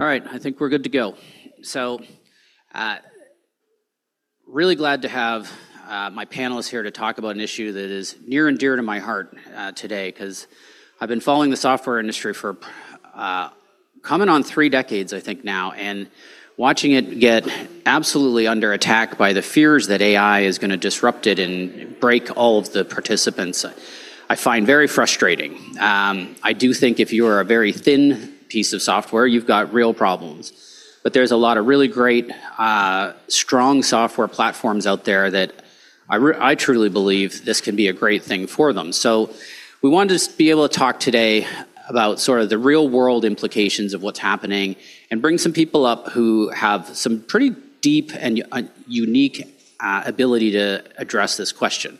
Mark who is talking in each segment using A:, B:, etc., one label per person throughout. A: All right, I think we're good to go. Really glad to have my panelists here to talk about an issue that is near and dear to my heart today, 'cause I've been following the software industry for coming on three decades, I think, now and watching it get absolutely under attack by the fears that AI is gonna disrupt it and break all of the participants, I find very frustrating. I do think if you are a very thin piece of software, you've got real problems. There's a lot of really great strong software platforms out there that I truly believe this can be a great thing for them. We wanted to be able to talk today about sort of the real-world implications of what's happening and bring some people up who have some pretty deep and unique ability to address this question.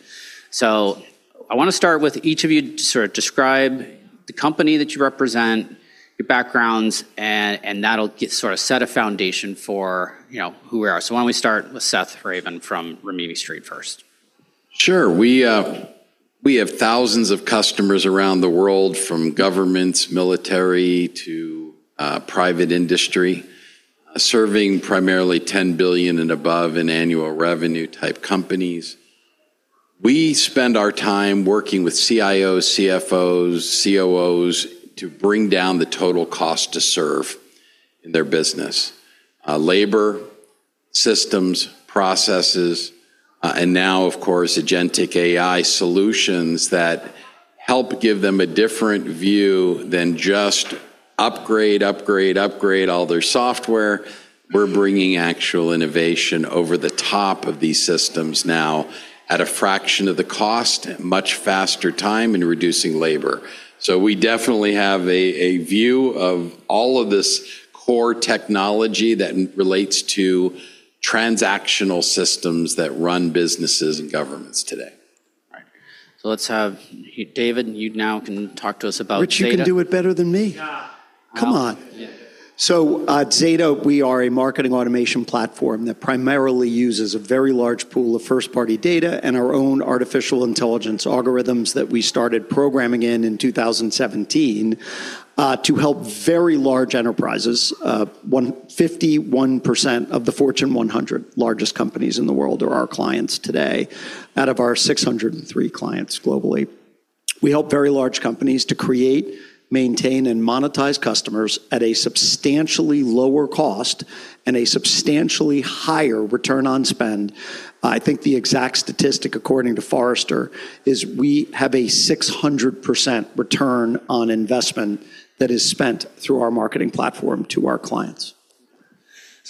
A: I wanna start with each of you to sort of describe the company that you represent, your backgrounds, and that'll sort of set a foundation for, you know, who we are. Why don't we start with Seth Ravin from Rimini Street first?
B: Sure. We have thousands of customers around the world, from governments, military, to private industry, serving primarily $10 billion and above in annual revenue type companies. We spend our time working with CIOs, CFOs, COOs to bring down the total cost to serve in their business. Labor, systems, processes, and now, of course, agentic AI solutions that help give them a different view than just upgrade, upgrade, upgrade all their software. We're bringing actual innovation over the top of these systems now at a fraction of the cost, at much faster time, and reducing labor. We definitely have a view of all of this core technology that relates to transactional systems that run businesses and governments today.
A: All right. Let's have you, David. You can now talk to us about Zeta.
C: Rich, you can do it better than me.
B: Yeah.
C: Come on.
A: Yeah.
C: At Zeta, we are a marketing automation platform that primarily uses a very large pool of first-party data and our own artificial intelligence algorithms that we started programming in 2017 to help very large enterprises. 51% of the Fortune 100 largest companies in the world are our clients today out of our 603 clients globally. We help very large companies to create, maintain, and monetize customers at a substantially lower cost and a substantially higher return on spend. I think the exact statistic, according to Forrester, is we have a 600% return on investment that is spent through our marketing platform to our clients.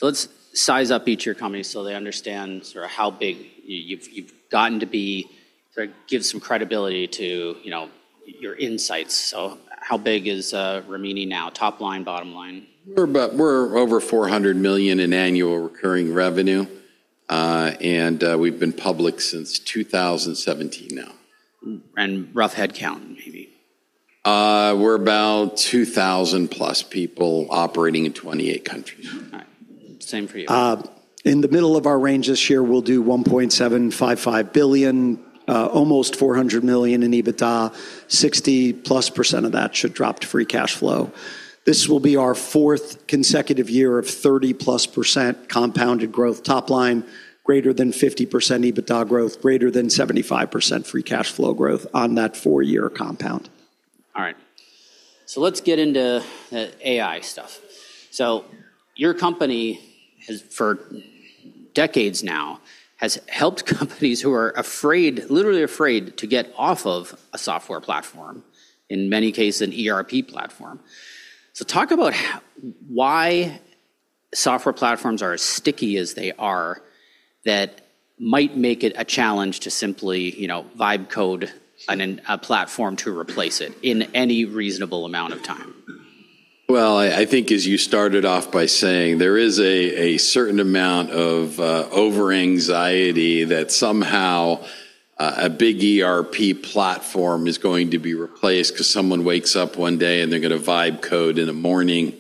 A: Let's size up each of your companies so they understand sort of how big you've gotten to be to give some credibility to, you know, your insights. How big is Rimini now, top line, bottom line?
B: We're over $400 million in annual recurring revenue, and we've been public since 2017 now.
A: Rough headcount, maybe.
B: We're about 2,000+ people operating in 28 countries.
A: All right. Same for you.
C: In the middle of our range this year, we'll do $1.755 billion, almost $400 million in EBITDA. 60%+ of that should drop to free cash flow. This will be our fourth consecutive year of 30%+ compounded growth top line, greater than 50% EBITDA growth, greater than 75% free cash flow growth on that four-year compound.
A: All right. Let's get into AI stuff. Your company has, for decades now, helped companies who are afraid, literally afraid to get off of a software platform, in many cases an ERP platform. Talk about why software platforms are as sticky as they are that might make it a challenge to simply, you know, vibe code a platform to replace it in any reasonable amount of time.
B: Well, I think as you started off by saying, there is a certain amount of overanxiety that somehow a big ERP platform is going to be replaced 'cause someone wakes up one day, and they're gonna vibe code in a morning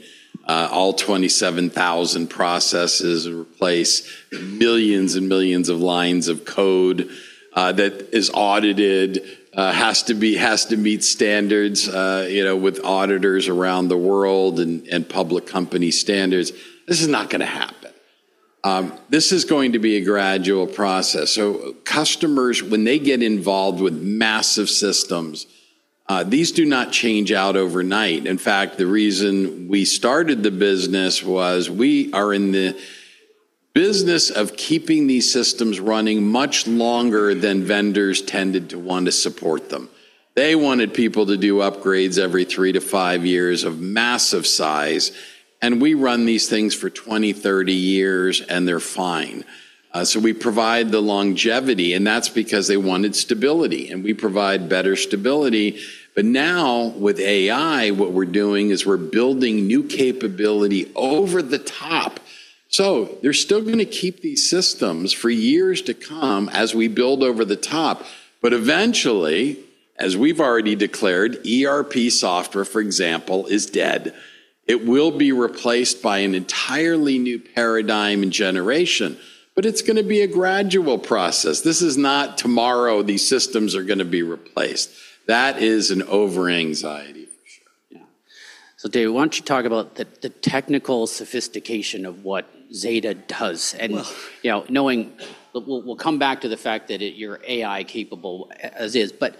B: all 27,000 processes and replace millions and millions of lines of code that is audited, has to meet standards, you know, with auditors around the world and public company standards. This is not gonna happen. This is going to be a gradual process. Customers, when they get involved with massive systems, these do not change out overnight. In fact, the reason we started the business was we are in the business of keeping these systems running much longer than vendors tended to want to support them. They wanted people to do upgrades every three to five years of massive size, and we run these things for 20, 30 years, and they're fine. We provide the longevity, and that's because they wanted stability, and we provide better stability. Now with AI, what we're doing is we're building new capability over the top. They're still gonna keep these systems for years to come as we build over the top. Eventually, as we've already declared, ERP software, for example, is dead. It will be replaced by an entirely new paradigm and generation, but it's gonna be a gradual process. This is not tomorrow. These systems are gonna be replaced. That is an overanxiety.
A: Dave, why don't you talk about the technical sophistication of what Zeta does?
C: Well.
A: Knowing, we'll come back to the fact that it, you're AI-capable as is, but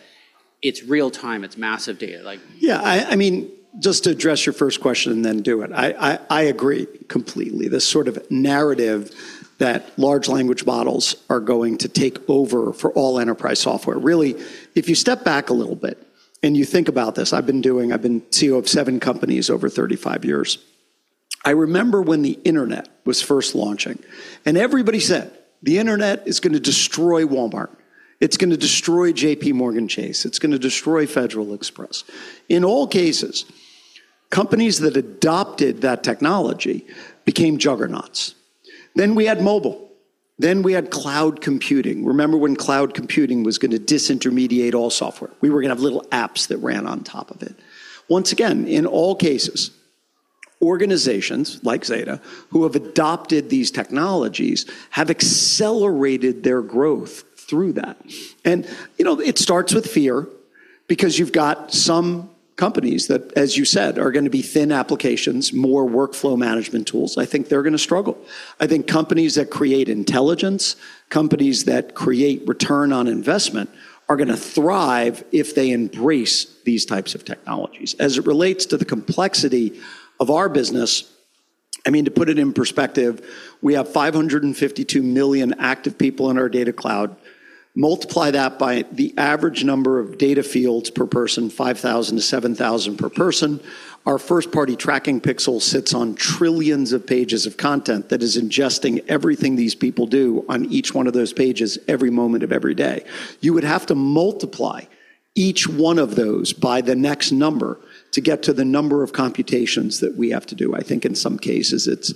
A: it's real-time, it's massive data. Like.
C: Yeah. I mean, just to address your first question and then do it. I agree completely. This sort of narrative that large language models are going to take over for all enterprise software. Really, if you step back a little bit and you think about this, I've been doing, I've been CEO of seven companies over 35 years. I remember when the internet was first launching, and everybody said, "The internet is gonna destroy Walmart. It's gonna destroy JPMorgan Chase. It's gonna destroy Federal Express." In all cases, companies that adopted that technology became juggernauts. Then we had mobile, we had cloud computing. Remember when cloud computing was gonna disintermediate all software? We were gonna have little apps that ran on top of it. Once again, in all cases, organizations like Zeta who have adopted these technologies have accelerated their growth through that. You know, it starts with fear because you've got some companies that, as you said, are gonna be thin applications, more workflow management tools. I think they're gonna struggle. I think companies that create intelligence, companies that create return on investment are gonna thrive if they embrace these types of technologies. As it relates to the complexity of our business, I mean, to put it in perspective, we have 552 million active people in our data cloud. Multiply that by the average number of data fields per person, 5,000-7,000 per person. Our first-party tracking pixel sits on trillions of pages of content that is ingesting everything these people do on each one of those pages every moment of every day. You would have to multiply each one of those by the next number to get to the number of computations that we have to do. I think in some cases it's,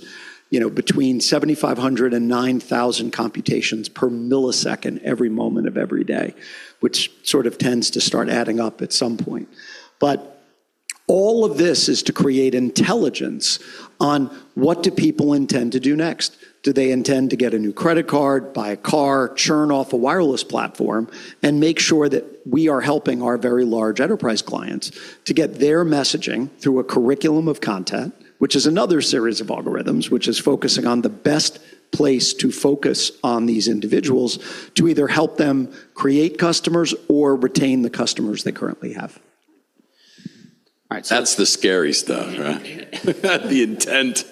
C: you know, between 7,500 and 9,000 computations per millisecond every moment of every day, which sort of tends to start adding up at some point. All of this is to create intelligence on what do people intend to do next. Do they intend to get a new credit card, buy a car, churn off a wireless platform, and make sure that we are helping our very large enterprise clients to get their messaging through a curriculum of content, which is another series of algorithms, which is focusing on the best place to focus on these individuals to either help them create customers or retain the customers they currently have?
A: All right.
B: That's the scary stuff, right? The intent.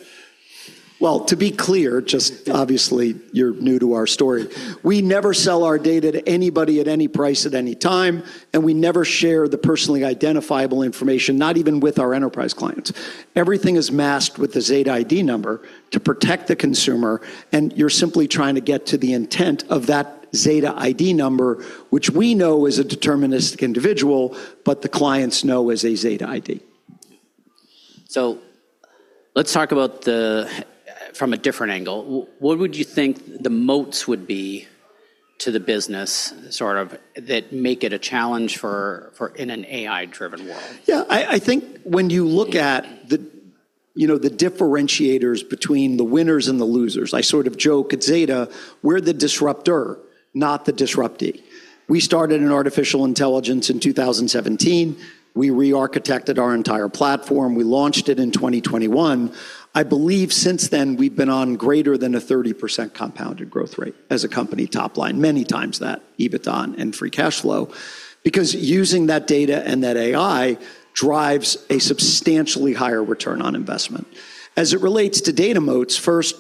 C: Well, to be clear, just obviously you're new to our story. We never sell our data to anybody at any price at any time, and we never share the personally identifiable information, not even with our enterprise clients. Everything is masked with a Zeta ID number to protect the consumer, and you're simply trying to get to the intent of that Zeta ID number, which we know is a deterministic individual, but the clients know as a Zeta ID.
A: Let's talk about from a different angle. What would you think the moats would be to the business sort of that make it a challenge for in an AI-driven world?
C: Yeah. I think when you look at the, you know, the differentiators between the winners and the losers, I sort of joke at Zeta, we're the disruptor, not the disruptee. We started in artificial intelligence in 2017. We rearchitected our entire platform. We launched it in 2021. I believe since then, we've been on greater than a 30% compounded growth rate as a company top line, many times that EBITDA and free cash flow. Because using that data and that AI drives a substantially higher return on investment. As it relates to data moats, as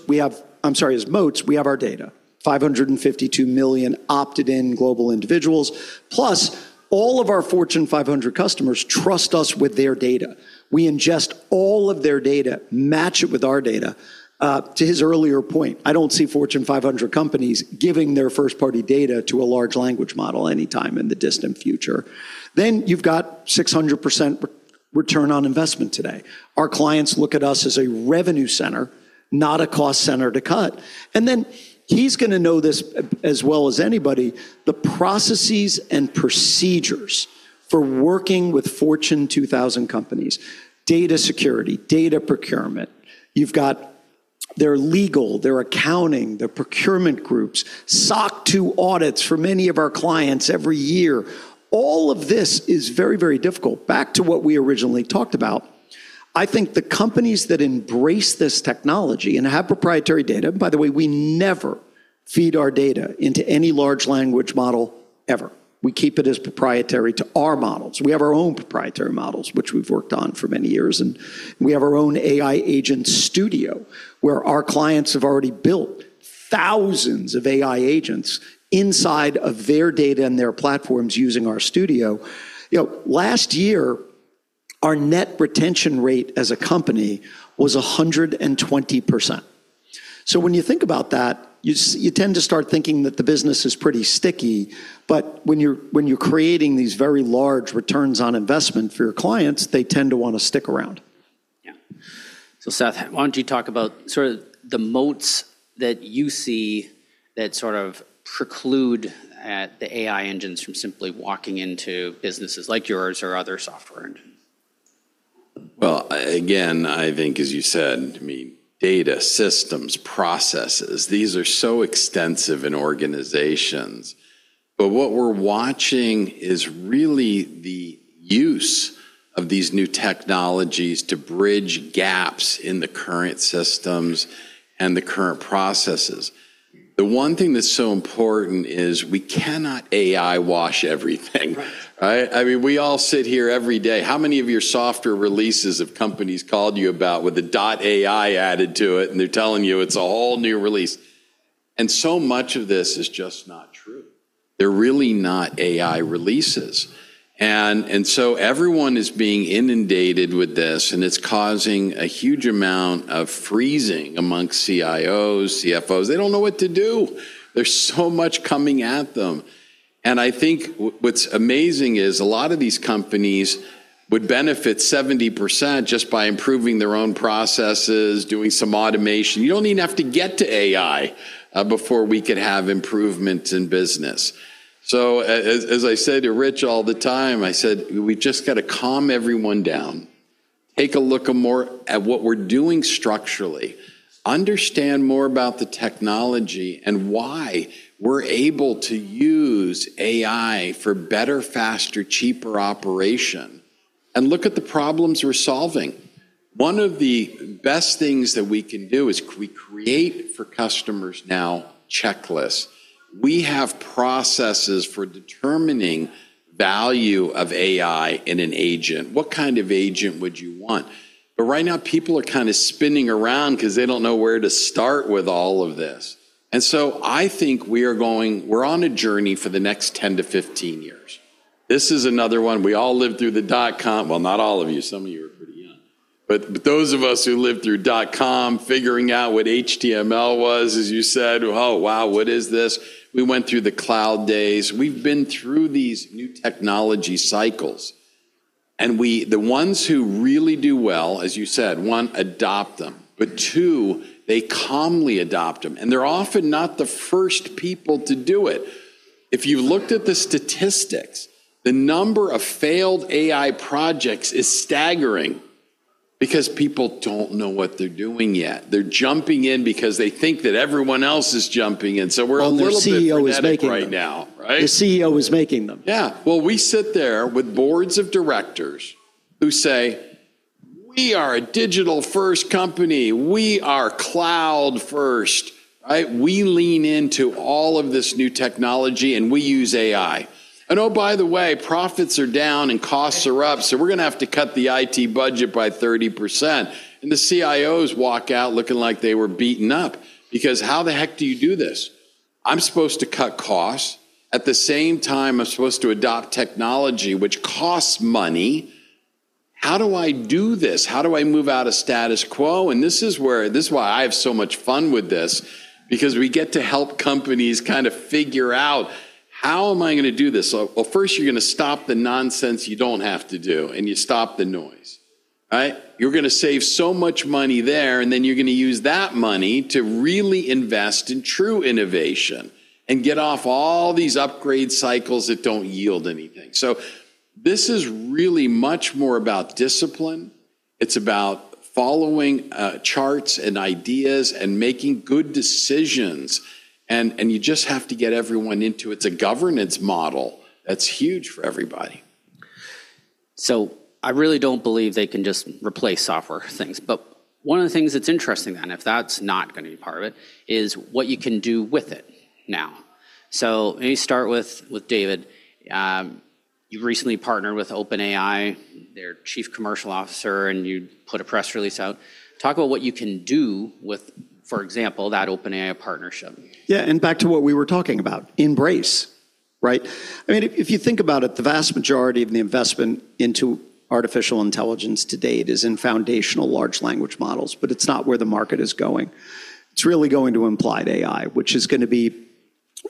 C: moats, we have our data, 552 million opted-in global individuals, plus all of our Fortune 500 customers trust us with their data. We ingest all of their data, match it with our data. To his earlier point, I don't see Fortune 500 companies giving their first-party data to a large language model anytime in the distant future. You've got 600% return on investment today. Our clients look at us as a revenue center, not a cost center to cut. He's gonna know this as well as anybody, the processes and procedures for working with Fortune 2000 companies, data security, data procurement. You've got their legal, their accounting, their procurement groups, SOC 2 audits for many of our clients every year. All of this is very, very difficult. Back to what we originally talked about, I think the companies that embrace this technology and have proprietary data. By the way, we never feed our data into any large language model ever. We keep it as proprietary to our models. We have our own proprietary models, which we've worked on for many years, and we have our own AI Agent Studio where our clients have already built thousands of AI agents inside of their data and their platforms using our studio. You know, last year, our net retention rate as a company was 120%. When you think about that, you tend to start thinking that the business is pretty sticky. When you're creating these very large returns on investment for your clients, they tend to wanna stick around.
A: Yeah. Seth, why don't you talk about sort of the moats that you see that sort of preclude the AI engines from simply walking into businesses like yours or other software engines?
B: Well, again, I think as you said, I mean, data, systems, processes, these are so extensive in organizations. What we're watching is really the use of these new technologies to bridge gaps in the current systems and the current processes. The one thing that's so important is we cannot AI wash everything.
A: Right.
B: Right? I mean, we all sit here every day. How many of your software releases have companies called you about with a .AI added to it, and they're telling you it's all new release? So much of this is just not true. They're really not AI releases. So everyone is being inundated with this, and it's causing a huge amount of freezing amongst CIOs, CFOs. They don't know what to do. There's so much coming at them. I think what's amazing is a lot of these companies would benefit 70% just by improving their own processes, doing some automation. You don't even have to get to AI before we could have improvements in business. As I said to Rich all the time, I said, "We just gotta calm everyone down, take a look more at what we're doing structurally, understand more about the technology and why we're able to use AI for better, faster, cheaper operation, and look at the problems we're solving." One of the best things that we can do is we create for customers now checklists. We have processes for determining value of AI in an agent. What kind of agent would you want? Right now, people are kinda spinning around 'cause they don't know where to start with all of this. I think we are going, we're on a journey for the next 10-15 years. This is another one. We all lived through the dot-com. Well, not all of you. Some of you are pretty young. Those of us who lived through dot-com, figuring out what HTML was, as you said, "Oh, wow, what is this?" We went through the cloud days. We've been through these new technology cycles, and we, the ones who really do well, as you said, one, adopt them, but two, they calmly adopt them, and they're often not the first people to do it. If you looked at the statistics, the number of failed AI projects is staggering because people don't know what they're doing yet. They're jumping in because they think that everyone else is jumping in, so we're a little bit frenetic right now.
A: Well, their CEO is making them.
B: Right?
A: The CEO is making them.
B: Yeah. Well, we sit there with Boards of Directors who say, "We are a digital-first company. We are cloud first, right? We lean into all of this new technology, and we use AI. And oh, by the way, profits are down and costs are up, so we're gonna have to cut the IT budget by 30%." And the CIOs walk out looking like they were beaten up because how the heck do you do this? I'm supposed to cut costs. At the same time, I'm supposed to adopt technology which costs money. How do I do this? How do I move out of status quo? And this is where, this is why I have so much fun with this because we get to help companies kinda figure out, how am I gonna do this? Well, first you're gonna stop the nonsense you don't have to do, and you stop the noise, right? You're gonna save so much money there, and then you're gonna use that money to really invest in true innovation and get off all these upgrade cycles that don't yield anything. This is really much more about discipline. It's about following charts and ideas and making good decisions. You just have to get everyone into. It's a governance model that's huge for everybody.
A: I really don't believe they can just replace software things. One of the things that's interesting then, if that's not gonna be part of it, is what you can do with it now. Let me start with David. You've recently partnered with OpenAI, their Chief Commercial Officer, and you put a press release out. Talk about what you can do with, for example, that OpenAI partnership.
C: Yeah, back to what we were talking about, embrace, right? I mean, if you think about it, the vast majority of the investment into artificial intelligence to date is in foundational large language models. It's not where the market is going. It's really going to agentic AI, which is gonna be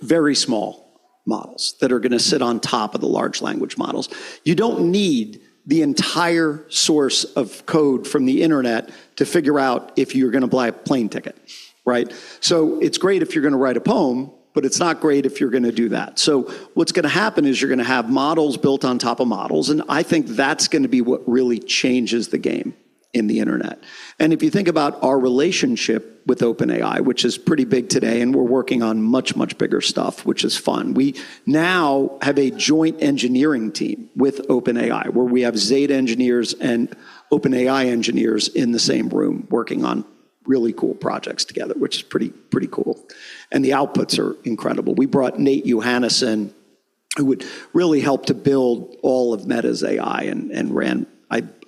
C: very small models that are gonna sit on top of the large language models. You don't need the entire source of code from the internet to figure out if you're gonna buy a plane ticket, right? It's great if you're gonna write a poem, but it's not great if you're gonna do that. What's gonna happen is you're gonna have models built on top of models, and I think that's gonna be what really changes the game in the internet. If you think about our relationship with OpenAI, which is pretty big today, and we're working on much bigger stuff, which is fun. We now have a joint engineering team with OpenAI, where we have Zeta engineers and OpenAI engineers in the same room working on really cool projects together, which is pretty cool. The outputs are incredible. We brought Nate Yohannes, who would really help to build all of Meta's AI and ran,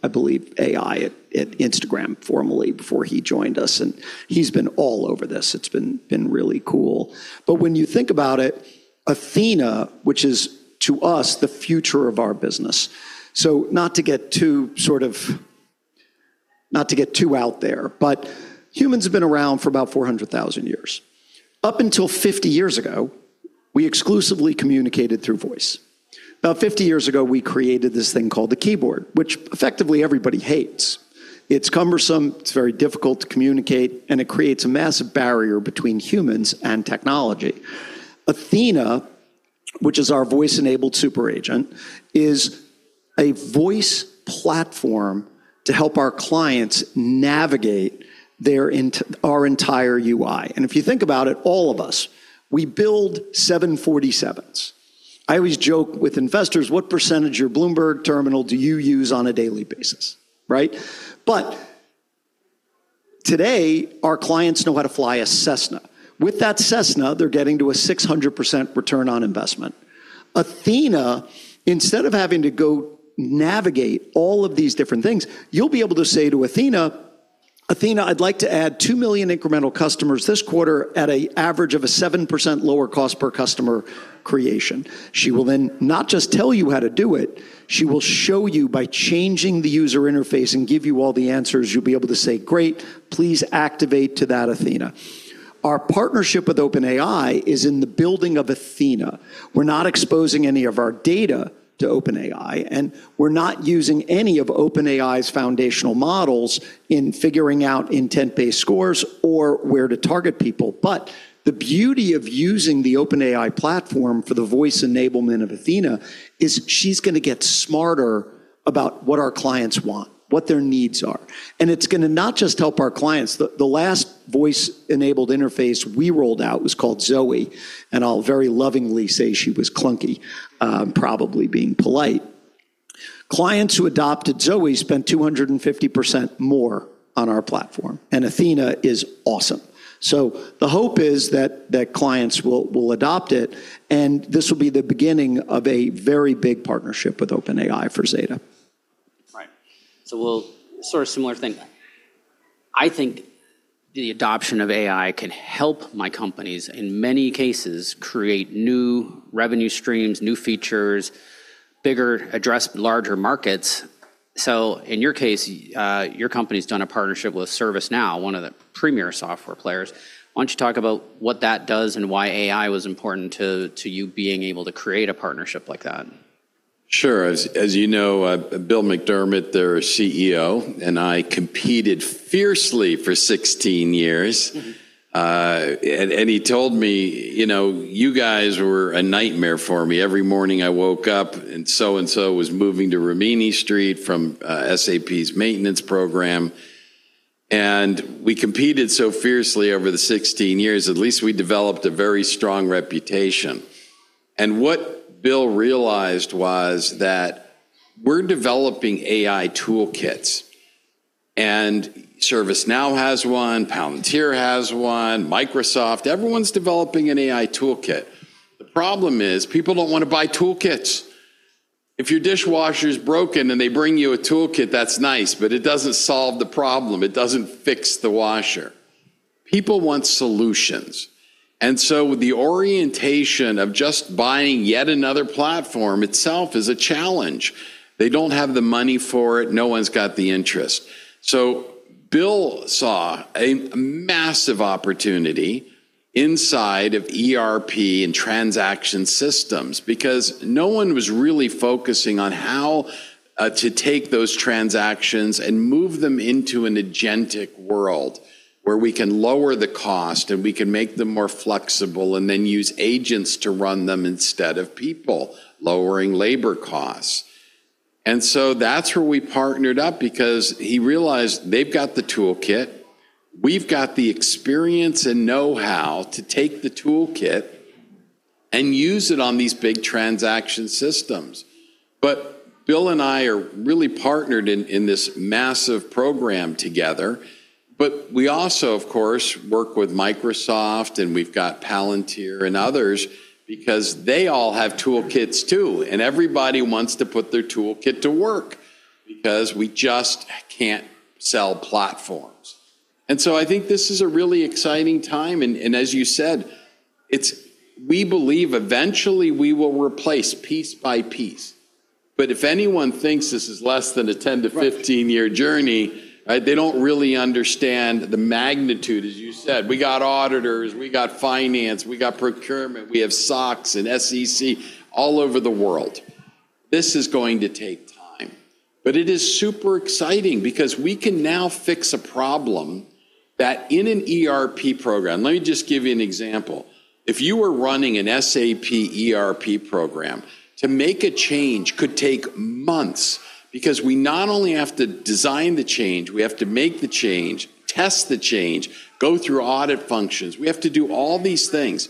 C: I believe, AI at Instagram formerly before he joined us, and he's been all over this. It's been really cool. When you think about it, Athena, which is to us the future of our business. Not to get too out there, but humans have been around for about 400,000 years. Up until 50 years ago, we exclusively communicated through voice. About 50 years ago, we created this thing called the keyboard, which effectively everybody hates. It's cumbersome, it's very difficult to communicate, and it creates a massive barrier between humans and technology. Athena, which is our voice-enabled super agent, is a voice platform to help our clients navigate our entire UI. If you think about it, all of us, we build 747s. I always joke with investors, what percentage of your Bloomberg Terminal do you use on a daily basis, right? Today, our clients know how to fly a Cessna. With that Cessna, they're getting to a 600% return on investment. Athena, instead of having to go navigate all of these different things, you'll be able to say to Athena, "Athena, I'd like to add 2 million incremental customers this quarter at an average of a 7% lower cost per customer creation." She will then not just tell you how to do it, she will show you by changing the user interface and give you all the answers. You'll be able to say, "Great, please activate to that, Athena." Our partnership with OpenAI is in the building of Athena. We're not exposing any of our data to OpenAI, and we're not using any of OpenAI's foundational models in figuring out intent-based scores or where to target people. The beauty of using the OpenAI platform for the voice enablement of Athena is she's gonna get smarter about what our clients want, what their needs are, and it's gonna not just help our clients. The last voice-enabled interface we rolled out was called ZOE, and I'll very lovingly say she was clunky, probably being polite. Clients who adopted ZOE spent 250% more on our platform, and Athena is awesome. The hope is that clients will adopt it, and this will be the beginning of a very big partnership with OpenAI for Zeta.
A: Right. Sort of similar thing. I think the adoption of AI can help my companies, in many cases, create new revenue streams, new features, better address larger markets. In your case, your company's done a partnership with ServiceNow, one of the premier software players. Why don't you talk about what that does and why AI was important to you being able to create a partnership like that?
B: Sure. As you know, Bill McDermott, their CEO, and I competed fiercely for 16 years.
A: Mm-hmm.
B: He told me, "You know, you guys were a nightmare for me. Every morning I woke up and so and so was moving to Rimini Street from SAP's maintenance program." We competed so fiercely over the 16 years; at least we developed a very strong reputation. What Bill realized was that we're developing AI toolkits, and ServiceNow has one, Palantir has one, Microsoft. Everyone's developing an AI toolkit. The problem is people don't wanna buy toolkits. If your dishwasher's broken and they bring you a toolkit, that's nice, but it doesn't solve the problem, it doesn't fix the washer. People want solutions. The orientation of just buying yet another platform itself is a challenge. They don't have the money for it. No one's got the interest. Bill saw a massive opportunity inside of ERP and transaction systems because no one was really focusing on how to take those transactions and move them into an agentic world where we can lower the cost, and we can make them more flexible and then use agents to run them instead of people, lowering labor costs. That's where we partnered up because he realized they've got the toolkit. We've got the experience and know-how to take the toolkit and use it on these big transaction systems. Bill and I are really partnered in this massive program together. We also, of course, work with Microsoft, and we've got Palantir and others because they all have toolkits too. Everybody wants to put their toolkit to work because we just can't sell platforms. I think this is a really exciting time and as you said, it's we believe eventually we will replace piece by piece. If anyone thinks this is less than a 10- to 15-year journey, they don't really understand the magnitude, as you said. We got auditors, we got finance, we got procurement, we have SOX and SEC all over the world. This is going to take time, but it is super exciting because we can now fix a problem that in an ERP program. Let me just give you an example. If you were running an SAP ERP program, to make a change could take months because we not only have to design the change, we have to make the change, test the change, go through audit functions. We have to do all these things.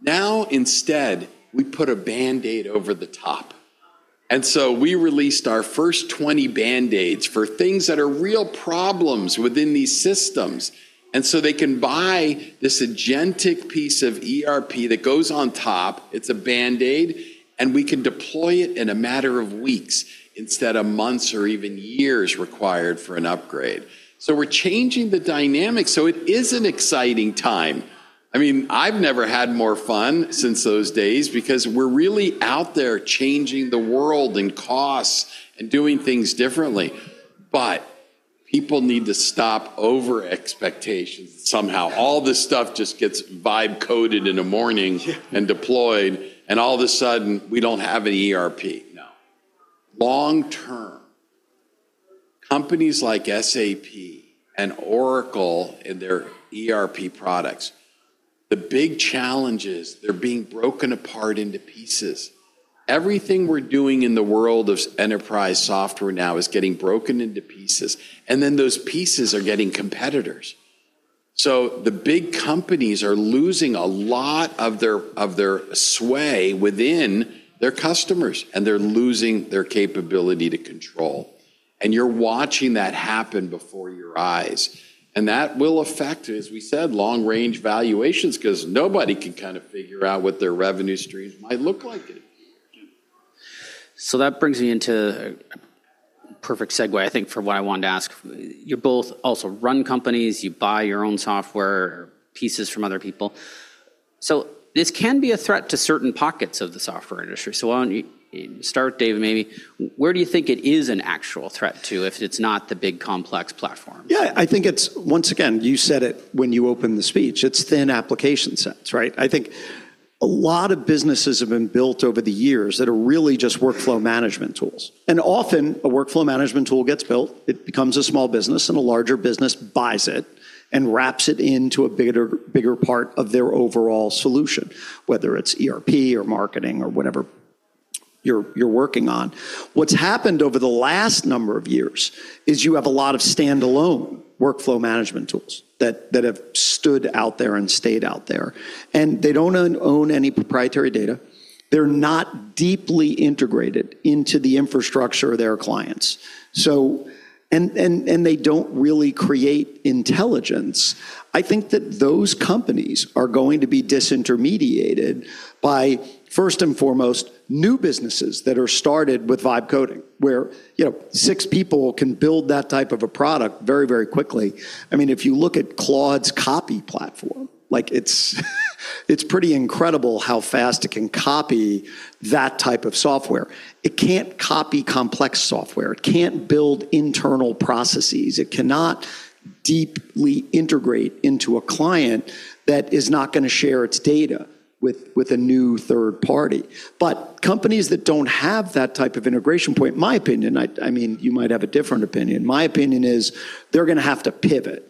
B: Now, instead, we put a Band-Aid over the top. We released our first 20 Band-Aids for things that are real problems within these systems. They can buy this agentic piece of ERP that goes on top, it's a Band-Aid, and we can deploy it in a matter of weeks instead of months or even years required for an upgrade. We're changing the dynamic, so it is an exciting time. I mean, I've never had more fun since those days because we're really out there changing the world and costs and doing things differently. But people need to stop over-expectations somehow. All this stuff just gets vibe coded in a morning.
A: Yeah.
B: Deployed, and all of a sudden we don't have an ERP.
A: No.
B: Long-term companies like SAP and Oracle in their ERP products, the big challenge is they're being broken apart into pieces. Everything we're doing in the world of enterprise software now is getting broken into pieces, and then those pieces are getting competitors. The big companies are losing a lot of their sway within their customers, and they're losing their capability to control. You're watching that happen before your eyes. That will affect, as we said, long-range valuations 'cause nobody can kinda figure out what their revenue streams might look like.
A: That brings me into a perfect segue, I think, for what I wanted to ask. You both also run companies. You buy your own software or pieces from other people. This can be a threat to certain pockets of the software industry. Why don't you start, Dave, maybe. Where do you think it is an actual threat to if it's not the big complex platform?
C: Yeah. I think it's once again you said it when you opened the speech. It's thin application sets, right? I think a lot of businesses have been built over the years that are really just workflow management tools. Often, a workflow management tool gets built, it becomes a small business, and a larger business buys it and wraps it into a bigger part of their overall solution, whether it's ERP or marketing or whatever you're working on. What's happened over the last number of years is you have a lot of standalone workflow management tools that have stood out there and stayed out there, and they don't own any proprietary data. They're not deeply integrated into the infrastructure of their clients. They don't really create intelligence. I think that those companies are going to be disintermediated by, first and foremost, new businesses that are started with vibe coding, where, you know, six people can build that type of a product very, very quickly. I mean, if you look at Claude's copy platform, like it's pretty incredible how fast it can copy that type of software. It can't copy complex software. It can't build internal processes. It cannot deeply integrate into a client that is not gonna share its data with a new third party. Companies that don't have that type of integration point, my opinion, I mean, you might have a different opinion. My opinion is they're gonna have to pivot.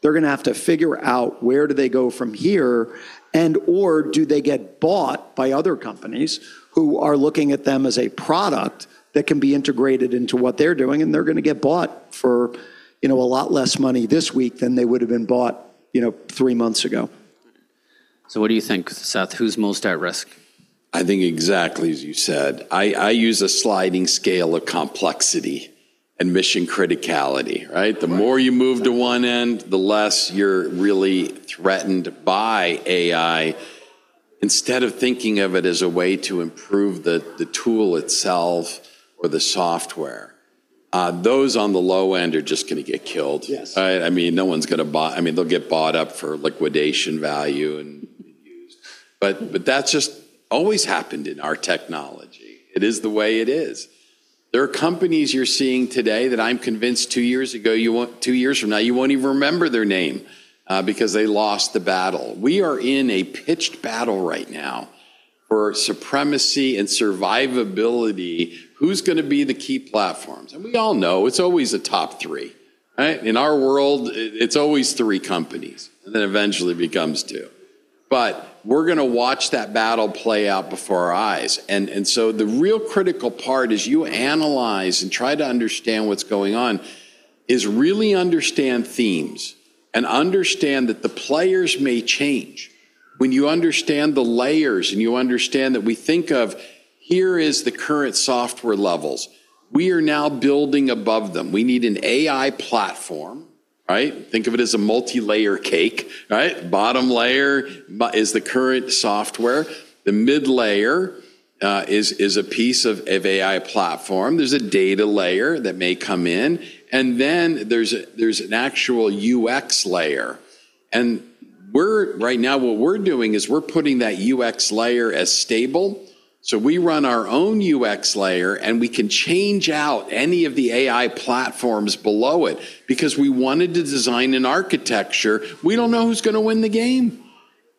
C: They're gonna have to figure out where do they go from here and/or do they get bought by other companies who are looking at them as a product that can be integrated into what they're doing, and they're gonna get bought for, you know, a lot less money this week than they would've been bought, you know, three months ago.
A: What do you think, Seth? Who's most at risk?
B: I think exactly as you said. I use a sliding scale of complexity and mission criticality, right? The more you move to one end, the less you're really threatened by AI instead of thinking of it as a way to improve the tool itself or the software. Those on the low end are just gonna get killed.
A: Yes.
B: I mean, no one's gonna buy. I mean, they'll get bought up for liquidation value and used. But that's just always happened in our technology. It is the way it is. There are companies you're seeing today that I'm convinced two years from now you won't even remember their name, because they lost the battle. We are in a pitched battle right now for supremacy and survivability. Who's gonna be the key platforms? We all know it's always a top three, right? In our world, it's always three companies, and then eventually becomes two. But we're gonna watch that battle play out before our eyes. The real critical part as you analyze and try to understand what's going on is really understand themes and understand that the players may change. When you understand the layers and you understand that we think of here is the current software levels, we are now building above them. We need an AI platform, right? Think of it as a multilayer cake, right? Bottom layer is the current software. The mid-layer is a piece of AI platform. There's a data layer that may come in, and then there's an actual UX layer. Right now what we're doing is we're putting that UX layer as stable. We run our own UX layer, and we can change out any of the AI platforms below it because we wanted to design an architecture. We don't know who's gonna win the game.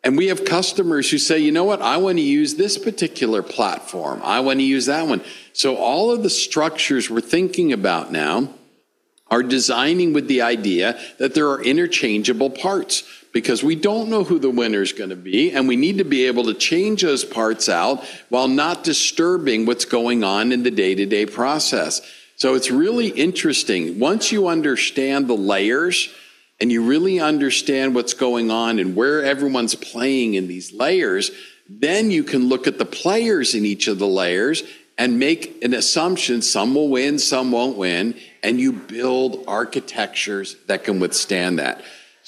B: We have customers who say, "You know what? I wanna use this particular platform. I wanna use that one." All of the structures we're thinking about now are designing with the idea that there are interchangeable parts because we don't know who the winner's gonna be, and we need to be able to change those parts out while not disturbing what's going on in the day-to-day process. It's really interesting. Once you understand the layers and you really understand what's going on and where everyone's playing in these layers, then you can look at the players in each of the layers and make an assumption some will win, some won't win, and you build architectures that can withstand that.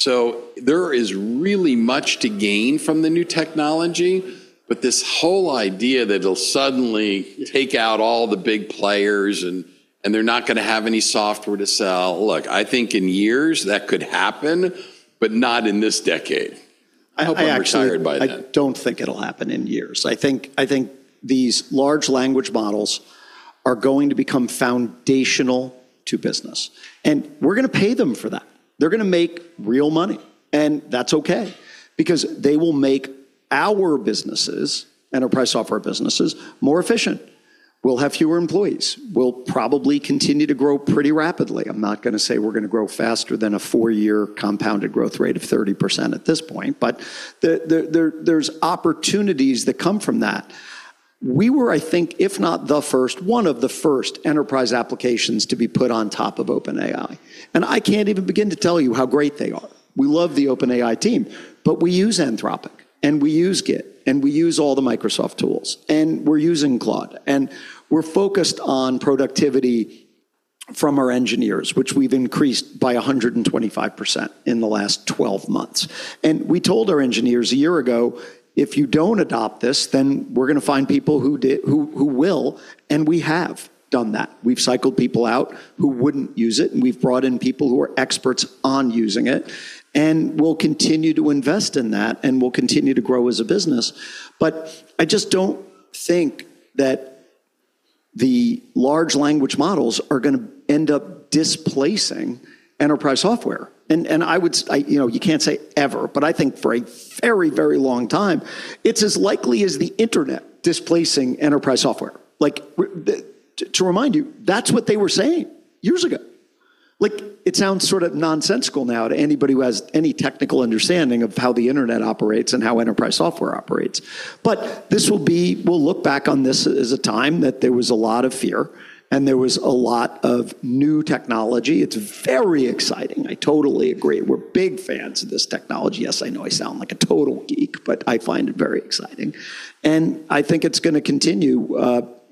B: There is really much to gain from the new technology, but this whole idea that it'll suddenly take out all the big players and they're not gonna have any software to sell. Look, I think in years that could happen but not in this decade. I hope I'm retired by then.
C: I actually, I don't think it'll happen in years. I think these large language models are going to become foundational to business, and we're gonna pay them for that. They're gonna make real money, and that's okay because they will make our businesses, enterprise software businesses, more efficient. We'll have fewer employees. We'll probably continue to grow pretty rapidly. I'm not gonna say we're gonna grow faster than a four-year compounded growth rate of 30% at this point, but there's opportunities that come from that. We were, I think, if not the first, one of the first enterprise applications to be put on top of OpenAI, and I can't even begin to tell you how great they are. We love the OpenAI team, but we use Anthropic, and we use Git, and we use all the Microsoft tools, and we're using Claude. We're focused on productivity from our engineers, which we've increased by 125% in the last 12 months. We told our engineers a year ago, "If you don't adopt this, then we're gonna find people who will," and we have done that. We've cycled people out who wouldn't use it, and we've brought in people who are experts on using it. We'll continue to invest in that, and we'll continue to grow as a business. I just don't think that the large language models are gonna end up displacing enterprise software. You know, you can't say ever, but I think for a very, very long time, it's as likely as the internet displacing enterprise software. To remind you, that's what they were saying years ago. Like, it sounds sort of nonsensical now to anybody who has any technical understanding of how the internet operates and how enterprise software operates. We'll look back on this as a time that there was a lot of fear, and there was a lot of new technology. It's very exciting. I totally agree. We're big fans of this technology. Yes, I know I sound like a total geek, but I find it very exciting. I think it's gonna continue,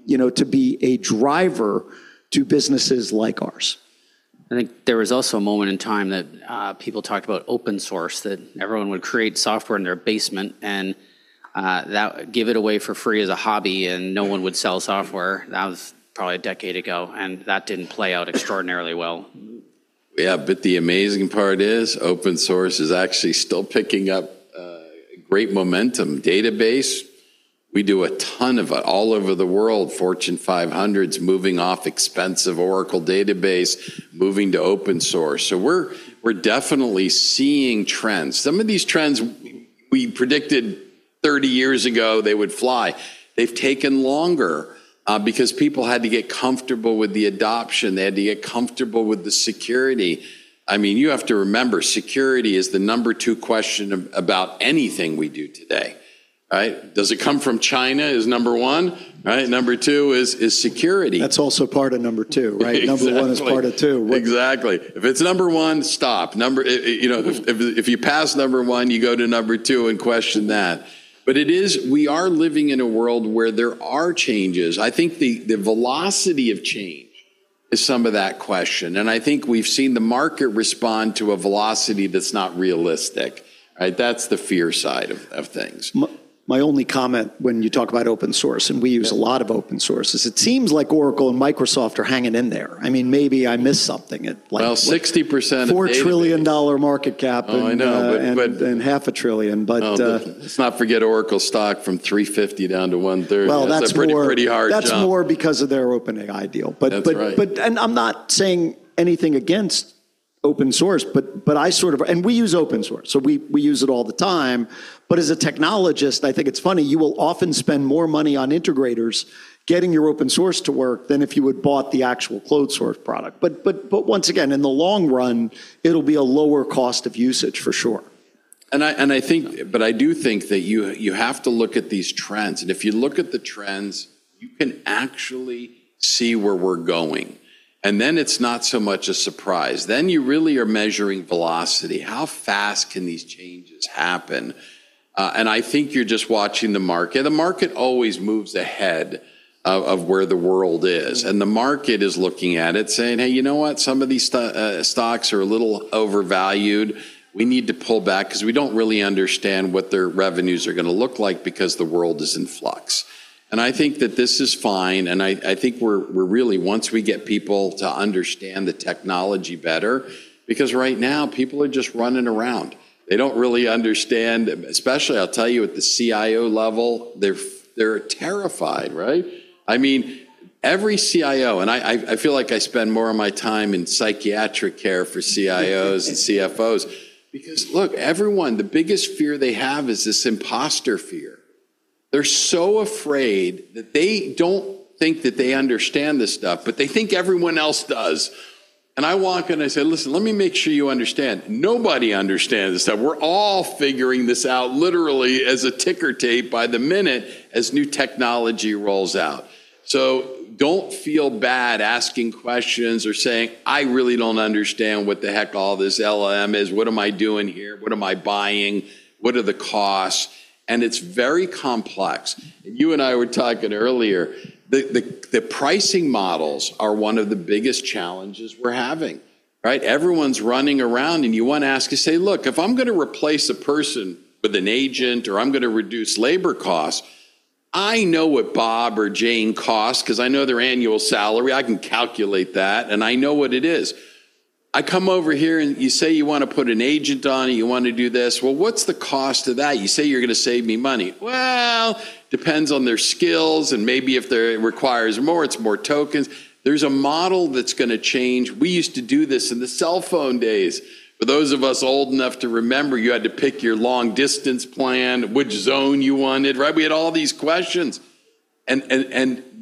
C: you know, to be a driver to businesses like ours.
A: I think there was also a moment in time that, people talked about open source, that everyone would create software in their basement and, that give it away for free as a hobby, and no one would sell software. That was probably a decade ago, and that didn't play out extraordinarily well.
B: Yeah, the amazing part is open source is actually still picking up great momentum. Database, we do a ton of it all over the world. Fortune 500s moving off expensive Oracle Database, moving to open source. We're definitely seeing trends. Some of these trends we predicted 30 years ago they would fly. They've taken longer because people had to get comfortable with the adoption. They had to get comfortable with the security. I mean, you have to remember, security is the number two question about anything we do today, right? Does it come from China is number one, right? Number two is security.
C: That's also part of number two, right?
B: Exactly.
C: Number one is part of two.
B: Exactly. If it's number one, stop. You know, if you pass number one, you go to number two and question that. We are living in a world where there are changes. I think the velocity of change is some of that question, and I think we've seen the market respond to a velocity that's not realistic, right? That's the fear side of things.
C: My only comment when you talk about open source, and we use a lot of open sources, it seems like Oracle and Microsoft are hanging in there. I mean, maybe I missed something at like.
B: Well, 60% of database.
C: $4 trillion market cap and.
B: Oh, I know.
C: $0.5 trillion.
B: No. Let's not forget Oracle stock from $350 down to $130.
C: Well, that's more.
B: That's a pretty hard jump.
C: That's more because of their OpenAI deal.
B: That's right.
C: I'm not saying anything against open source. We use open source. We use it all the time. As a technologist, I think it's funny. You will often spend more money on integrators getting your open source to work than if you had bought the actual closed source product. Once again, in the long run, it'll be a lower cost of usage for sure.
B: I do think that you have to look at these trends, and if you look at the trends, you can actually see where we're going. It's not so much a surprise. You really are measuring velocity. How fast can these changes happen? I think you're just watching the market. The market always moves ahead of where the world is, and the market is looking at it saying, "Hey, you know what? Some of these stocks are a little overvalued. We need to pull back 'cause we don't really understand what their revenues are gonna look like because the world is in flux." I think that this is fine, and I think we're really once we get people to understand the technology better, because right now people are just running around. They don't really understand, especially, I'll tell you, at the CIO level, they're terrified, right? I mean, every CIO, and I feel like I spend more of my time in psychiatric care for CIOs and CFOs. Because look, everyone, the biggest fear they have is this imposter fear. They're so afraid that they don't think that they understand this stuff, but they think everyone else does. I walk in, I say, "Listen, let me make sure you understand." Nobody understands this stuff. We're all figuring this out literally as a ticker tape by the minute as new technology rolls out. So don't feel bad asking questions or saying, "I really don't understand what the heck all this LLM is. What am I doing here? What am I buying? What are the costs?" It's very complex. You and I were talking earlier, the pricing models are one of the biggest challenges we're having, right? Everyone's running around, and you wanna ask to say, "Look, if I'm gonna replace a person with an agent or I'm gonna reduce labor costs, I know what Bob or Jane costs 'cause I know their annual salary. I can calculate that, and I know what it is. I come over here, and you say you wanna put an agent on it. You wanna do this. Well, what's the cost of that? You say you're gonna save me money." Well, depends on their skills, and maybe if they're, it requires more, it's more tokens. There's a model that's gonna change. We used to do this in the cell phone days. For those of us old enough to remember, you had to pick your long distance plan, which zone you wanted, right? We had all these questions.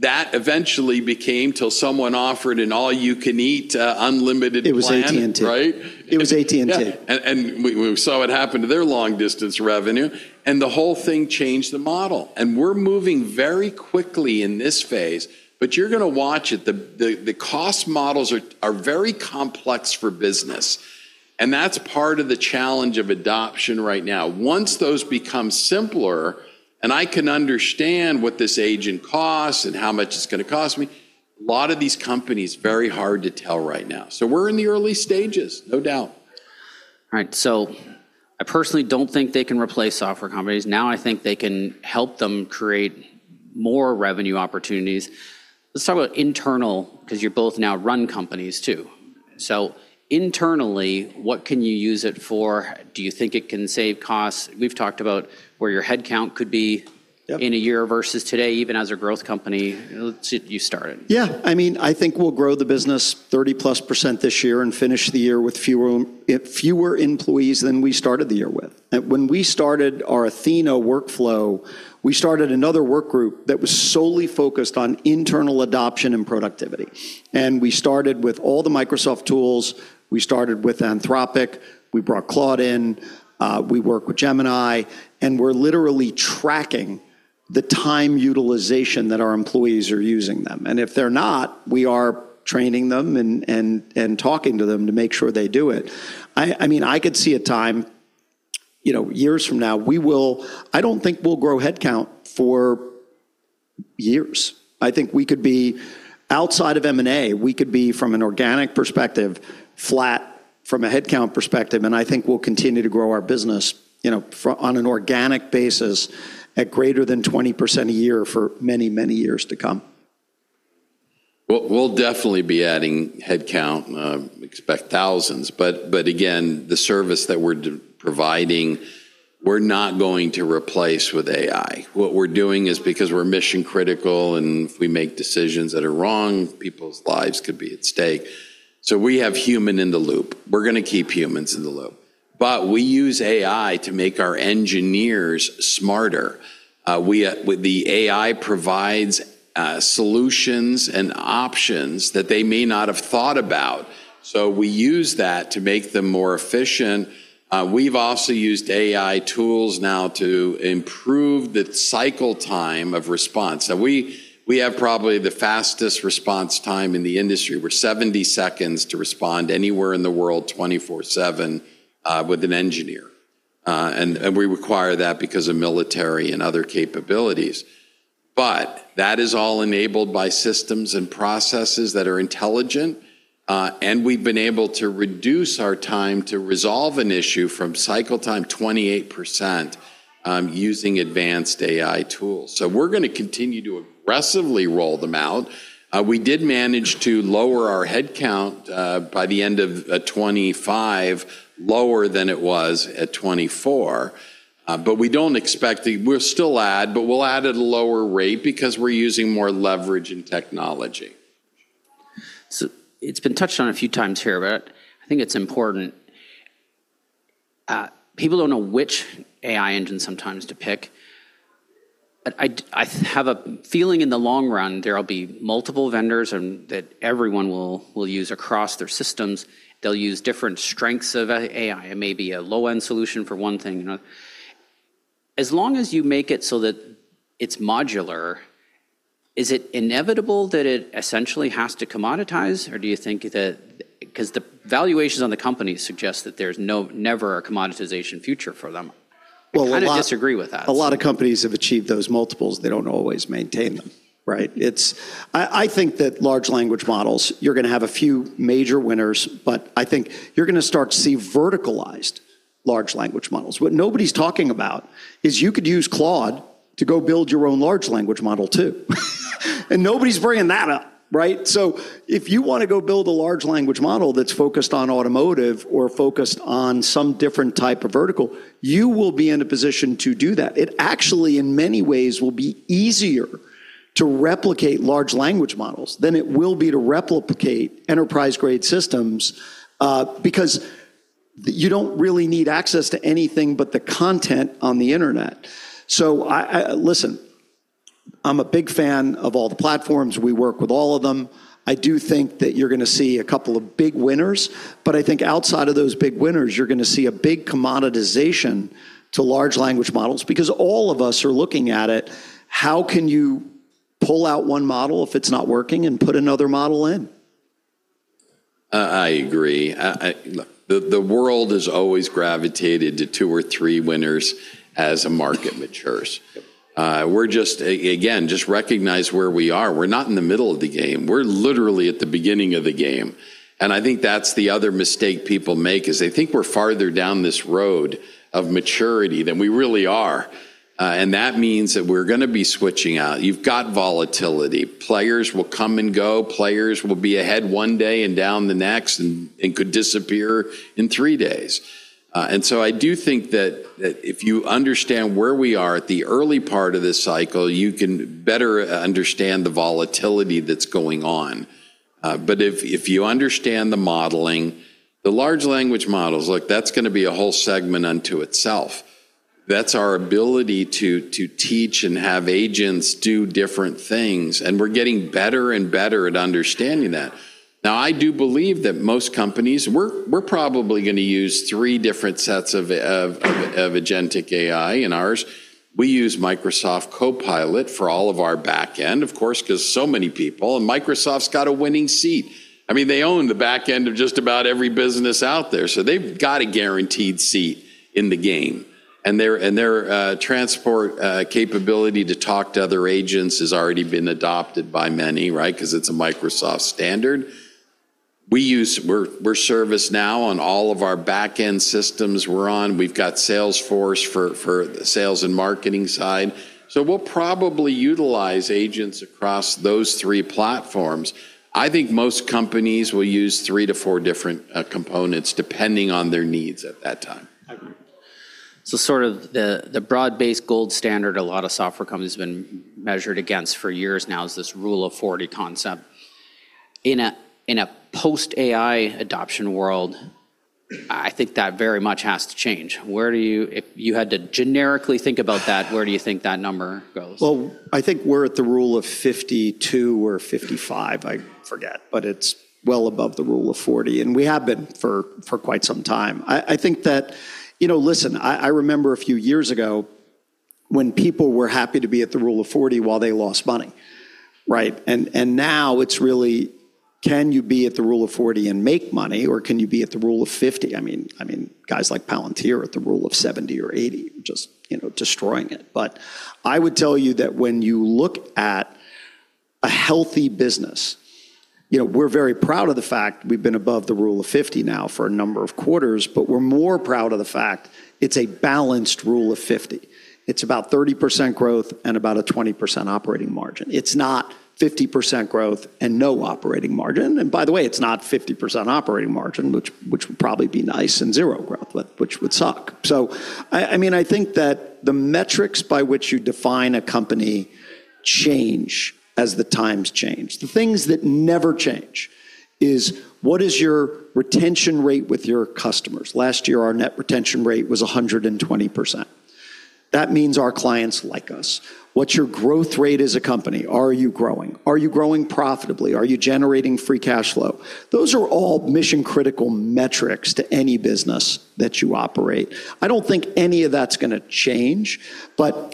B: That eventually became until someone offered an all-you-can-eat unlimited plan.
C: It was AT&T.
B: Right?
C: It was AT&T.
B: Yeah. We saw it happen to their long distance revenue, and the whole thing changed the model. We're moving very quickly in this phase, but you're gonna watch it. The cost models are very complex for business, and that's part of the challenge of adoption right now. Once those become simpler and I can understand what this agent costs and how much it's gonna cost me, a lot of these companies, very hard to tell right now. We're in the early stages, no doubt.
A: All right. I personally don't think they can replace software companies. Now I think they can help them create more revenue opportunities. Let's talk about internal, 'cause you both now run companies too. Internally, what can you use it for? Do you think it can save costs? We've talked about where your headcount could be.
B: Yep.
A: In a year versus today, even as a growth company. Let's see you start it.
C: Yeah. I mean, I think we'll grow the business 30%+ this year and finish the year with fewer employees than we started the year with. When we started our Athena workflow, we started another work group that was solely focused on internal adoption and productivity. We started with all the Microsoft tools. We started with Anthropic. We brought Claude in. We work with Gemini, and we're literally tracking the time utilization that our employees are using them. If they're not, we are training them and talking to them to make sure they do it. I mean, I could see a time, you know, years from now. I don't think we'll grow headcount for years. I think we could be outside of M&A, we could be, from an organic perspective, flat from a headcount perspective, and I think we'll continue to grow our business, you know, on an organic basis at greater than 20% a year for many, many years to come.
B: We'll definitely be adding headcount. We expect thousands. Again, the service that we're providing, we're not going to replace with AI. What we're doing is because we're mission critical, and if we make decisions that are wrong, people's lives could be at stake. We have human in the loop. We're gonna keep humans in the loop. We use AI to make our engineers smarter. With the AI provides solutions and options that they may not have thought about, so we use that to make them more efficient. We've also used AI tools now to improve the cycle time of response. Now we have probably the fastest response time in the industry. We're 70 seconds to respond anywhere in the world, 24/7, with an engineer. We require that because of military and other capabilities. That is all enabled by systems and processes that are intelligent, and we've been able to reduce our time to resolve an issue from cycle time 28%, using advanced AI tools. We're gonna continue to aggressively roll them out. We did manage to lower our headcount, by the end of 2025, lower than it was at 2024. We'll still add, but we'll add at a lower rate because we're using more leverage and technology.
A: It's been touched on a few times here, but I think it's important. People don't know which AI engine sometimes to pick. I have a feeling in the long run, there'll be multiple vendors and that everyone will use across their systems. They'll use different strengths of AI, and maybe a low-end solution for one thing. As long as you make it so that it's modular, is it inevitable that it essentially has to commoditize, or do you think that 'cause the valuations on the company suggest that there's never a commoditization future for them?
C: Well, a lot.
A: I kind of disagree with that.
C: A lot of companies have achieved those multiples. They don't always maintain them, right? I think that large language models, you're gonna have a few major winners, but I think you're gonna start to see verticalized large language models. What nobody's talking about is you could use Claude to go build your own large language model too. Nobody's bringing that up, right? If you wanna go build a large language model that's focused on automotive or focused on some different type of vertical, you will be in a position to do that. It actually, in many ways, will be easier to replicate large language models than it will be to replicate enterprise-grade systems, because you don't really need access to anything but the content on the internet. Listen, I'm a big fan of all the platforms. We work with all of them. I do think that you're gonna see a couple of big winners, but I think outside of those big winners, you're gonna see a big commoditization to large language models because all of us are looking at it, how can you pull out one model if it's not working and put another model in?
B: I agree. The world has always gravitated to two or three winners as a market matures. We're just, again, recognize where we are. We're not in the middle of the game. We're literally at the beginning of the game. I think that's the other mistake people make, is they think we're farther down this road of maturity than we really are. That means that we're gonna be switching out. You've got volatility. Players will come and go. Players will be ahead one day and down the next and could disappear in three days. I do think that if you understand where we are at the early part of this cycle, you can better understand the volatility that's going on. If you understand the modeling. The large language models, look, that's gonna be a whole segment unto itself. That's our ability to teach and have agents do different things, and we're getting better and better at understanding that. Now, I do believe that most companies, we're probably gonna use three different sets of agentic AI in ours. We use Microsoft Copilot for all of our back end, of course, 'cause so many people, and Microsoft's got a winning seat. I mean, they own the back end of just about every business out there, so they've got a guaranteed seat in the game. And their transport capability to talk to other agents has already been adopted by many, right? 'Cause it's a Microsoft standard. We use ServiceNow on all of our back-end systems we're on. We've got Salesforce for sales and marketing side. We'll probably utilize agents across those three platforms. I think most companies will use three to four different components depending on their needs at that time.
A: I agree. Sort of the broad-based gold standard a lot of software companies have been measured against for years now is this Rule of 40 concept. In a post-AI adoption world, I think that very much has to change. If you had to generically think about that, where do you think that number goes?
C: Well, I think we're at the Rule of 52 or 55, I forget, but it's well above the Rule of 40, and we have been for quite some time. I think that, you know, listen, I remember a few years ago when people were happy to be at the Rule of 40 while they lost money, right? Now it's really, can you be at the Rule of 40 and make money, or can you be at the Rule of 50? I mean, guys like Palantir at the Rule of 70 or 80 just, you know, destroying it. I would tell you that when you look at a healthy business, you know, we're very proud of the fact we've been above the Rule of 50 now for a number of quarters, but we're more proud of the fact it's a balanced Rule of 50. It's about 30% growth and about a 20% operating margin. It's not 50% growth and no operating margin. And by the way, it's not 50% operating margin, which would probably be nice, and zero growth, which would suck. I mean, I think that the metrics by which you define a company change as the times change. The things that never change is what is your retention rate with your customers? Last year, our net retention rate was 120%. That means our clients like us. What's your growth rate as a company? Are you growing? Are you growing profitably? Are you generating free cash flow? Those are all mission-critical metrics to any business that you operate. I don't think any of that's gonna change.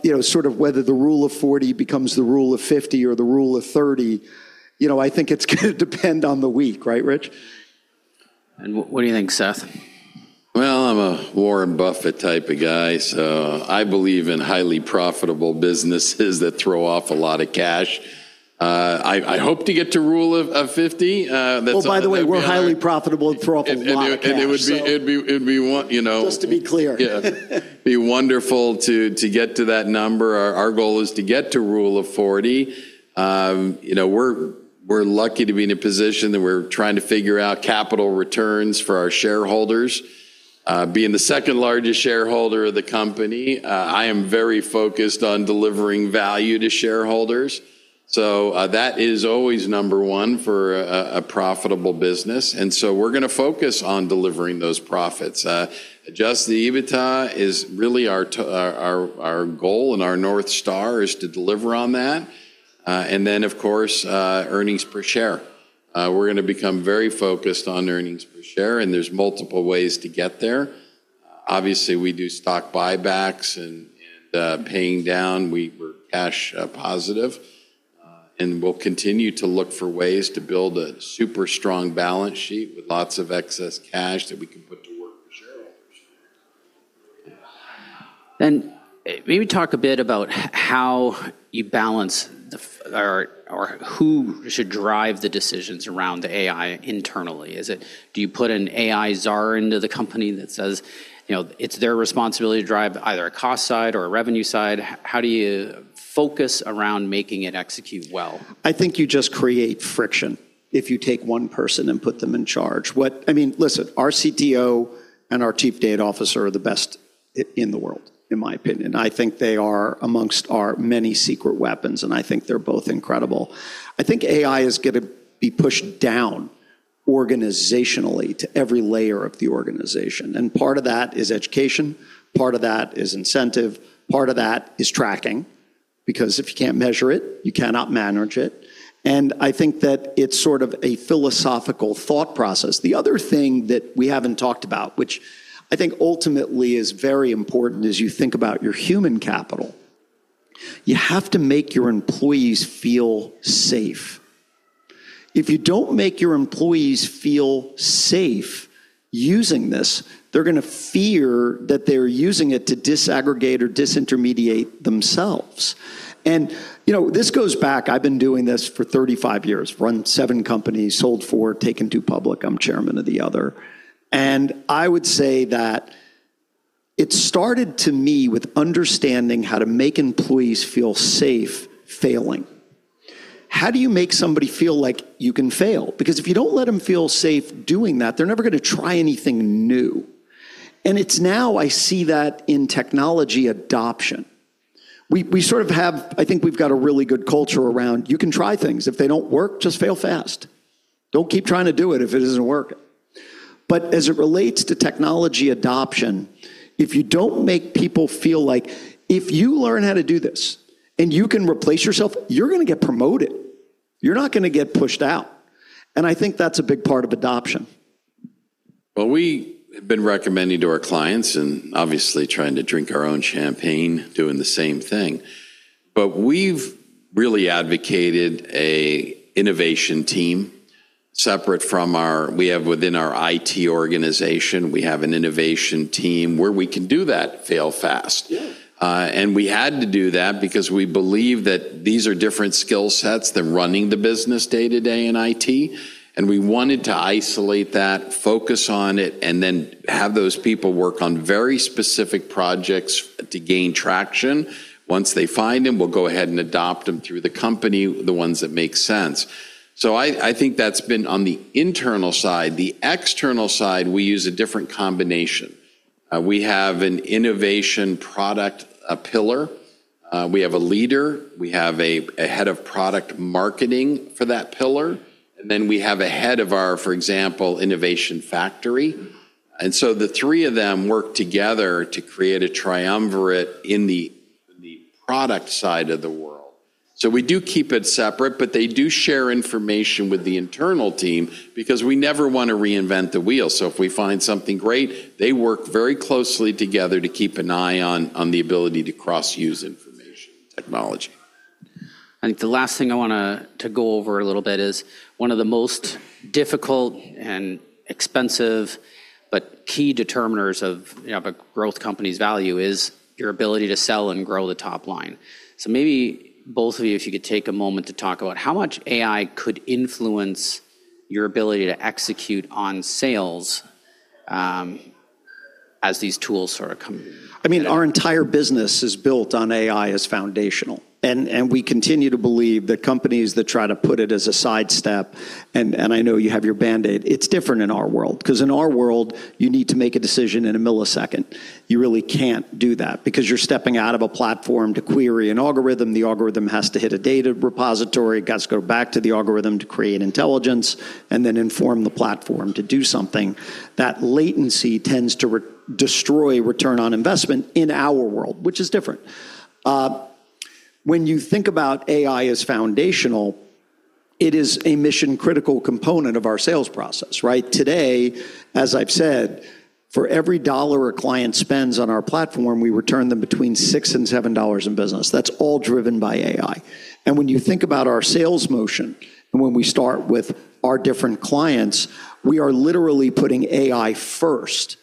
C: You know, sort of whether the Rule of 40 becomes the Rule of 50 or the Rule of 30, you know, I think it's gonna depend on the week, right, Rich?
A: What do you think, Seth?
B: Well, I'm a Warren Buffett type of guy, so I believe in highly profitable businesses that throw off a lot of cash. I hope to get to Rule of 50. That's ultimately.
C: Oh, by the way, we're highly profitable and throw off a lot of cash, so.
B: It'd be one, you know.
C: Just to be clear.
B: It'd be wonderful to get to that number. Our goal is to get to Rule of 40. You know, we're lucky to be in a position that we're trying to figure out capital returns for our shareholders. Being the second largest shareholder of the company, I am very focused on delivering value to shareholders. That is always number one for a profitable business. We're gonna focus on delivering those profits. Adjusted EBITDA is really our goal and our North Star is to deliver on that. Of course, earnings per share. We're gonna become very focused on earnings per share, and there's multiple ways to get there. Obviously, we do stock buybacks and paying down. We're cash positive. We'll continue to look for ways to build a super strong balance sheet with lots of excess cash that we can put to work for shareholders.
A: Maybe talk a bit about how you balance, or who should drive the decisions around the AI internally. Is it, do you put an AI czar into the company that says, you know, it's their responsibility to drive either a cost side or a revenue side? How do you focus around making it execute well?
C: I think you just create friction if you take one person and put them in charge. I mean, listen, our CTO and our Chief Data Officer are the best in the world, in my opinion. I think they are amongst our many secret weapons, and I think they're both incredible. I think AI is gonna be pushed down organizationally to every layer of the organization, and part of that is education, part of that is incentive, part of that is tracking. Because if you can't measure it, you cannot manage it. I think that it's sort of a philosophical thought process. The other thing that we haven't talked about, which I think ultimately is very important as you think about your human capital, you have to make your employees feel safe. If you don't make your employees feel safe using this, they're gonna fear that they're using it to disaggregate or disintermediate themselves. You know, this goes back. I've been doing this for 35 years, run seven companies, sold four, taken two public. I'm Chairman of the other. I would say that it started to me with understanding how to make employees feel safe failing. How do you make somebody feel like you can fail? Because if you don't let them feel safe doing that, they're never gonna try anything new. It's now I see that in technology adoption. We sort of have, I think we've got a really good culture around you can try things. If they don't work, just fail fast. Don't keep trying to do it if it isn't working. As it relates to technology adoption, if you don't make people feel like if you learn how to do this and you can replace yourself, you're gonna get promoted. You're not gonna get pushed out. I think that's a big part of adoption.
B: Well, we have been recommending to our clients and obviously trying to drink our own champagne doing the same thing, but we've really advocated an innovation team separate from our IT organization. We have an innovation team where we can do that fail fast.
C: Yeah.
B: We had to do that because we believe that these are different skill sets than running the business day-to-day in IT, and we wanted to isolate that, focus on it, and then have those people work on very specific projects to gain traction. Once they find them, we'll go ahead and adopt them through the company, the ones that make sense. I think that's been on the internal side. The external side, we use a different combination. We have an innovation product, a pillar. We have a leader. We have a head of product marketing for that pillar, and then we have a head of our, for example, innovation factory. The three of them work together to create a triumvirate in the product side of the world. We do keep it separate, but they do share information with the internal team because we never wanna reinvent the wheel. If we find something great, they work very closely together to keep an eye on the ability to cross-use information technology.
A: I think the last thing I want to go over a little bit is one of the most difficult and expensive but key determiners of, you know, of a growth company's value is your ability to sell and grow the top line. Maybe both of you, if you could take a moment to talk about how much AI could influence your ability to execute on sales, as these tools sort of come.
C: I mean, our entire business is built on AI as foundational. We continue to believe that companies that try to put it as a sidestep, and I know you have your Band-Aid, it's different in our world. 'Cause in our world, you need to make a decision in a millisecond. You really can't do that because you're stepping out of a platform to query an algorithm. The algorithm has to hit a data repository. It's got to go back to the algorithm to create intelligence and then inform the platform to do something. That latency tends to destroy return on investment in our world, which is different. When you think about AI as foundational, it is a mission-critical component of our sales process, right? Today, as I've said, for every dollar a client spends on our platform, we return them between $6 and $7 in business. That's all driven by AI. When you think about our sales motion and when we start with our different clients, we are literally putting AI first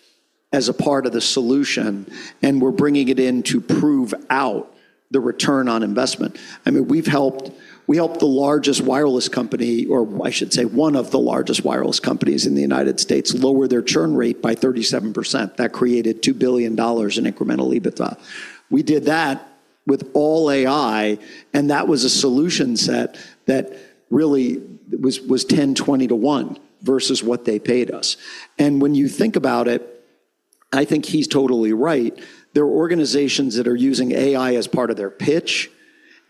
C: as a part of the solution, and we're bringing it in to prove out the return on investment. I mean, we helped the largest wireless company, or I should say one of the largest wireless companies in the United States, lower their churn rate by 37%. That created $2 billion in incremental EBITDA. We did that with all AI, and that was a solution set that really was 10-20 to one versus what they paid us. When you think about it, I think he's totally right. There are organizations that are using AI as part of their pitch,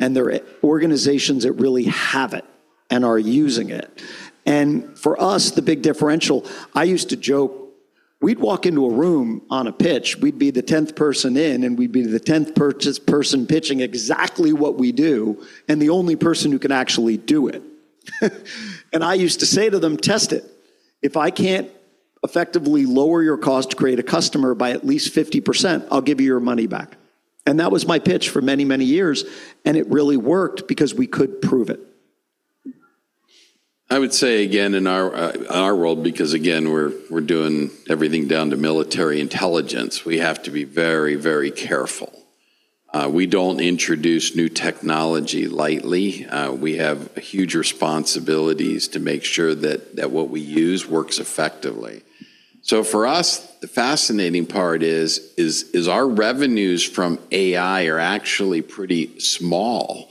C: and there are organizations that really have it and are using it. For us, the big differential, I used to joke, we'd walk into a room on a pitch, we'd be the 10th person in, and we'd be the 10th person pitching exactly what we do, and the only person who can actually do it. I used to say to them, "Test it. If I can't effectively lower your cost to create a customer by at least 50%, I'll give you your money back." That was my pitch for many, many years, and it really worked because we could prove it.
B: I would say again in our world, because again, we're doing everything down to military intelligence, we have to be very, very careful. We don't introduce new technology lightly. We have huge responsibilities to make sure that what we use works effectively. For us, the fascinating part is our revenues from AI are actually pretty small,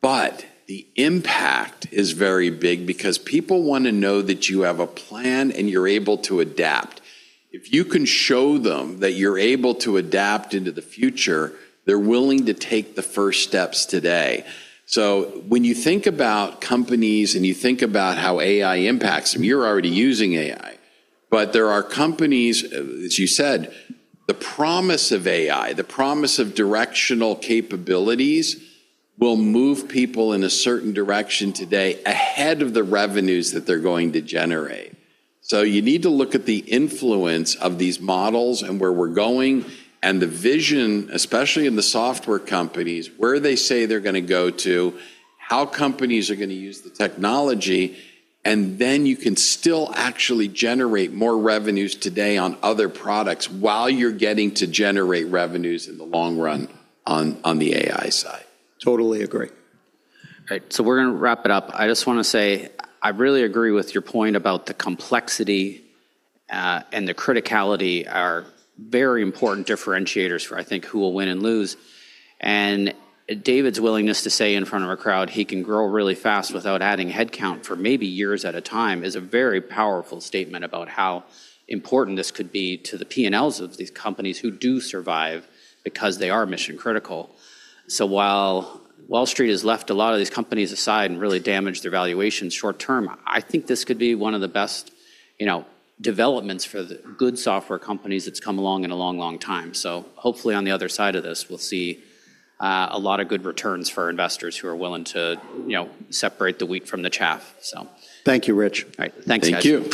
B: but the impact is very big because people wanna know that you have a plan and you're able to adapt. If you can show them that you're able to adapt into the future, they're willing to take the first steps today. When you think about companies and you think about how AI impacts them, you're already using AI. There are companies, as you said, the promise of AI, the promise of directional capabilities will move people in a certain direction today ahead of the revenues that they're going to generate. You need to look at the influence of these models and where we're going and the vision, especially in the software companies, where they say they're gonna go to, how companies are gonna use the technology, and then you can still actually generate more revenues today on other products while you're getting to generate revenues in the long run on the AI side.
C: Totally agree.
A: Right. We're gonna wrap it up. I just wanna say I really agree with your point about the complexity, and the criticality are very important differentiators for, I think, who will win and lose. David's willingness to say in front of a crowd he can grow really fast without adding headcount for maybe years at a time is a very powerful statement about how important this could be to the P&Ls of these companies who do survive because they are mission-critical. While Wall Street has left a lot of these companies aside and really damaged their valuation short term, I think this could be one of the best, you know, developments for the good software companies that's come along in a long, long time. Hopefully on the other side of this, we'll see a lot of good returns for investors who are willing to, you know, separate the wheat from the chaff.
C: Thank you, Rich.
A: All right. Thanks, guys.
B: Thank you.